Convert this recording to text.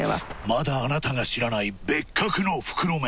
まだあなたが知らない別格の袋麺。